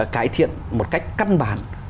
cải thiện một cách căn bản